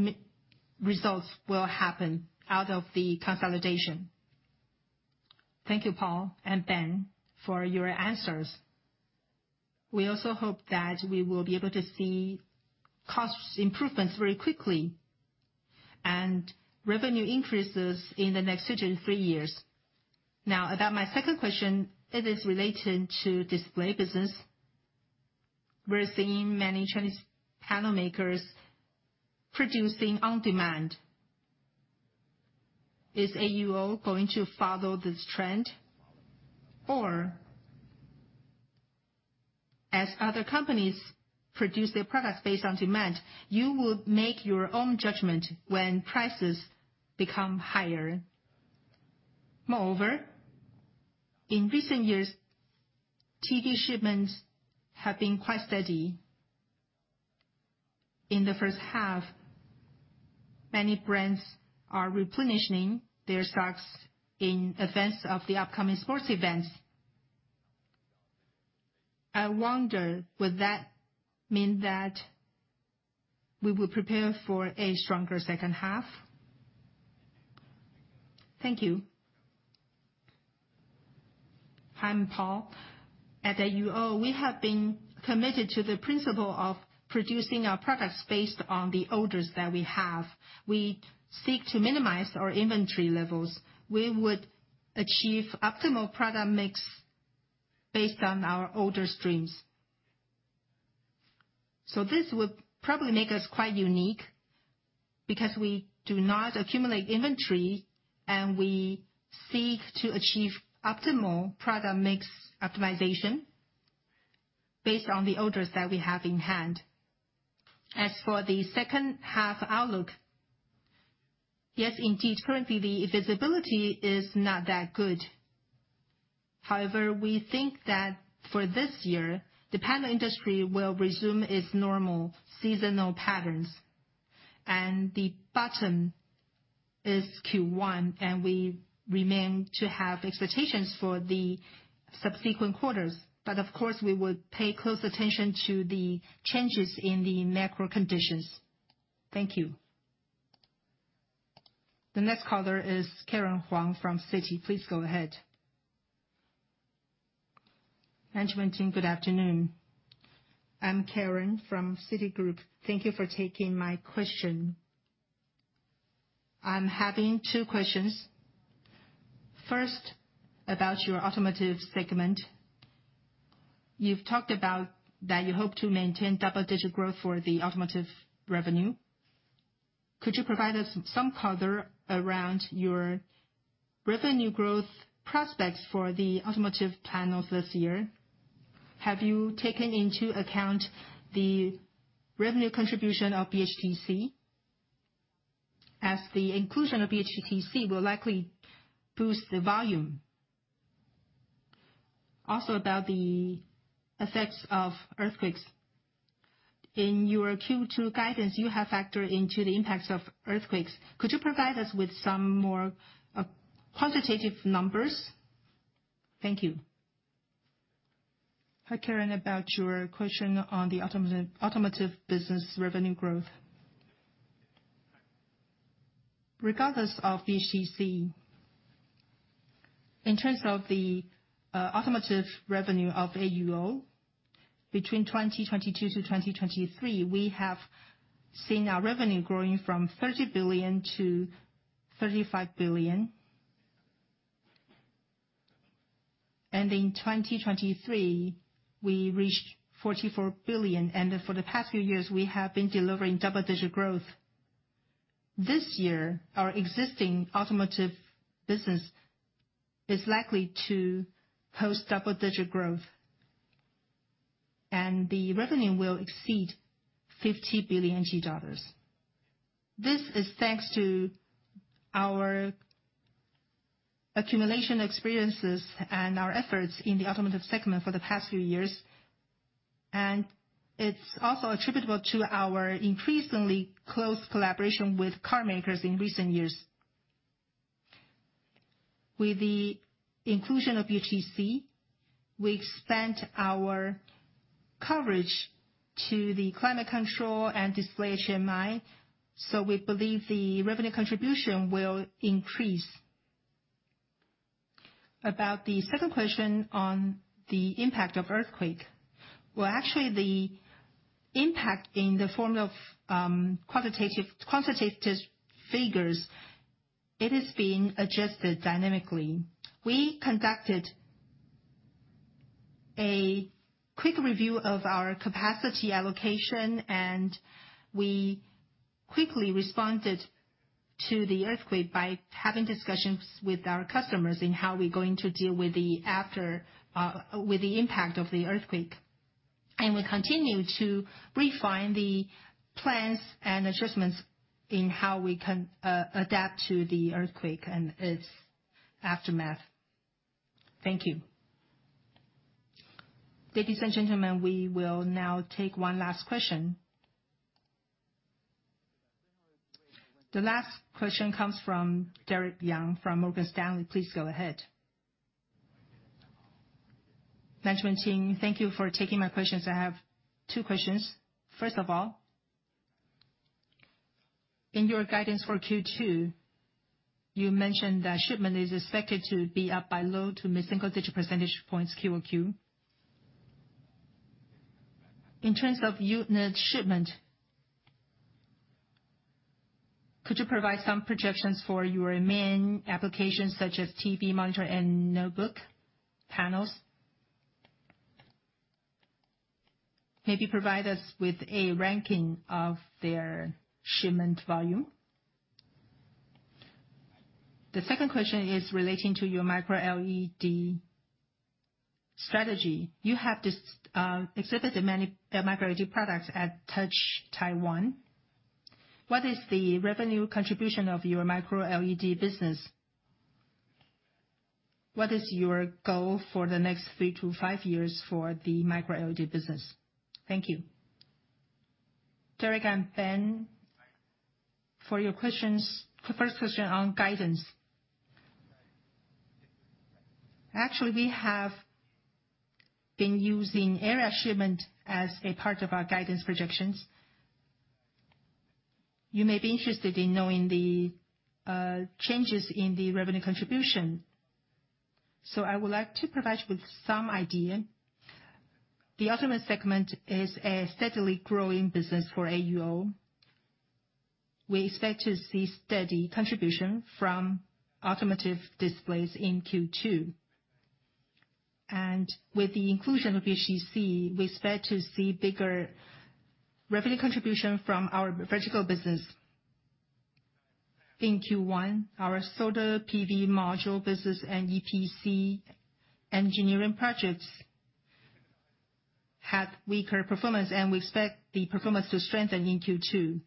[SPEAKER 4] results will happen out of the consolidation.
[SPEAKER 9] Thank you, Paul and Ben, for your answers. We also hope that we will be able to see cost improvements very quickly and revenue increases in the next two to three years. Now, about my second question, it is related to display business. We're seeing many Chinese panel makers producing on demand. Is AUO going to follow this trend? Or as other companies produce their products based on demand, you will make your own judgment when prices become higher? Moreover, in recent years, TV shipments have been quite steady. In the first half, many brands are replenishing their stocks in advance of the upcoming sports events. I wonder would that mean that we will prepare for a stronger second half? Thank you.
[SPEAKER 4] Hi, I'm Paul. At AUO, we have been committed to the principle of producing our products based on the orders that we have. We seek to minimize our inventory levels. We would achieve optimal product mix based on our order streams. So this would probably make us quite unique because we do not accumulate inventory, and we seek to achieve optimal product mix optimization based on the orders that we have in hand. As for the second half outlook, yes, indeed, currently, the visibility is not that good. However, we think that for this year, the panel industry will resume its normal seasonal patterns. And the bottom is Q1, and we remain to have expectations for the subsequent quarters. But of course, we would pay close attention to the changes in the macro conditions.
[SPEAKER 1] Thank you. The next caller is Karen Huang from Citi. Please go ahead.
[SPEAKER 10] Management team, good afternoon. I'm Karen from Citigroup. Thank you for taking my question. I'm having two questions. First, about your automotive segment. You've talked about that you hope to maintain double-digit growth for the automotive revenue. Could you provide us some cover around your revenue growth prospects for the automotive panels this year? Have you taken into account the revenue contribution of BHTC? As the inclusion of BHTC will likely boost the volume. Also, about the effects of earthquakes. In your Q2 guidance, you have factored into the impacts of earthquakes. Could you provide us with some more quantitative numbers? Thank you.
[SPEAKER 3] Hi, Karen, about your question on the automotive business revenue growth. Regardless of BHTC, in terms of the automotive revenue of AUO, between 2022 to 2023, we have seen our revenue growing from NT$ 30 billion to NT$ 35 billion. And in 2023, we reached NT$ 44 billion. For the past few years, we have been delivering double-digit growth. This year, our existing automotive business is likely to post double-digit growth, and the revenue will exceed NT$ 50 billion. This is thanks to our accumulated experiences and our efforts in the automotive segment for the past few years. It's also attributable to our increasingly close collaboration with car makers in recent years. With the inclusion of BHTC, we expand our coverage to the climate control and display HMI. So we believe the revenue contribution will increase. About the second question on the impact of earthquake. Well, actually, the impact in the form of quantitative figures, it is being adjusted dynamically. We conducted a quick review of our capacity allocation, and we quickly responded to the earthquake by having discussions with our customers in how we're going to deal with the impact of the earthquake. And we continue to refine the plans and adjustments in how we can adapt to the earthquake and its aftermath.
[SPEAKER 1] Thank you. Ladies and gentlemen, we will now take one last question. The last question comes from Derek Yang from Morgan Stanley. Please go ahead.
[SPEAKER 11] Management team, thank you for taking my questions. I have two questions. First of all, in your guidance for Q2, you mentioned that shipment is expected to be up by low- to mid-single-digit percentage points QoQ. In terms of unit shipment, could you provide some projections for your main applications such as TV monitor and notebook panels? Maybe provide us with a ranking of their shipment volume. The second question is relating to your Micro LED strategy. You have exhibited many Micro LED products at Touch Taiwan. What is the revenue contribution of your Micro LED business? What is your goal for the next three to five years for the Micro LED business? Thank you.
[SPEAKER 3] Derrick, Ben here, for your questions, first question on guidance. Actually, we have been using area shipment as a part of our guidance projections. You may be interested in knowing the changes in the revenue contribution. So I would like to provide you with some idea. The automotive segment is a steadily growing business for AUO. We expect to see steady contribution from automotive displays in Q2. And with the inclusion of BHTC, we expect to see bigger revenue contribution from our vertical business in Q1. Our solar PV module business and EPC engineering projects had weaker performance, and we expect the performance to strengthen in Q2.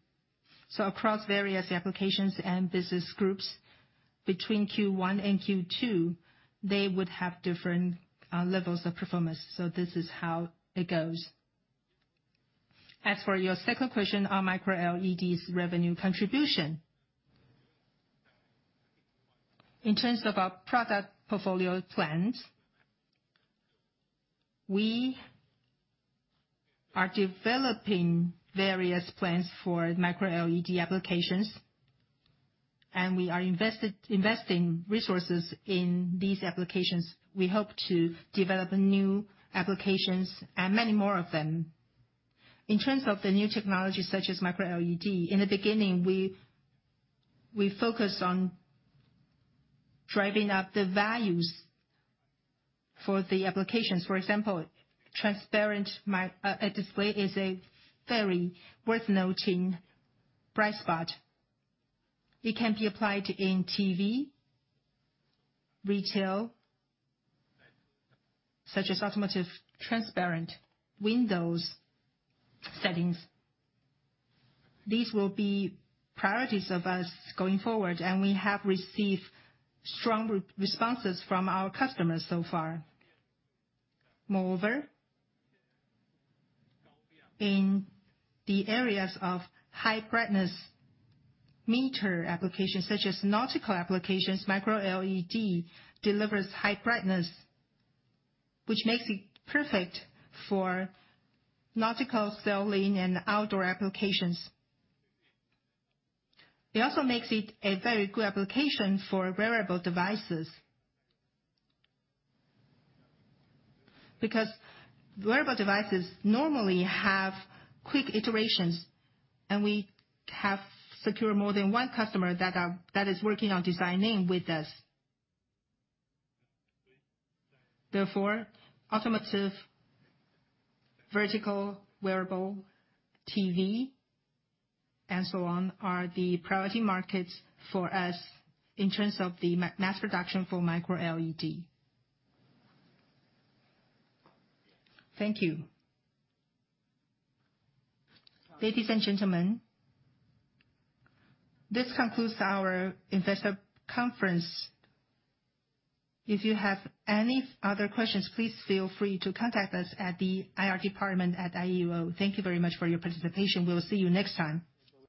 [SPEAKER 3] So across various applications and business groups, between Q1 and Q2, they would have different levels of performance. So this is how it goes. As for your second question on Micro LEDs revenue contribution. In terms of our product portfolio plans, we are developing various plans for Micro LED applications, and we are investing resources in these applications. We hope to develop new applications and many more of them. In terms of the new technology such as Micro LED, in the beginning, we focus on driving up the values for the applications. For example, transparent display is a very worth noting bright spot. It can be applied in TV, retail such as automotive transparent windows settings. These will be priorities of us going forward, and we have received strong responses from our customers so far. Moreover, in the areas of high-brightness niche applications such as nautical applications, Micro LED delivers high brightness, which makes it perfect for nautical sailing and outdoor applications. It also makes it a very good application for wearable devices because wearable devices normally have quick iterations, and we have secured more than one customer that is working on designing with us. Therefore, automotive, vertical, wearable, TV, and so on are the priority markets for us in terms of the mass production for Micro LED.
[SPEAKER 1] Thank you. Ladies and gentlemen, this concludes our investor conference. If you have any other questions, please feel free to contact us at the IR department at AUO. Thank you very much for your participation. We'll see you next time.